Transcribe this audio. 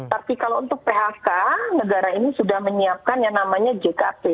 tapi kalau untuk phk negara ini sudah menyiapkan yang namanya jkp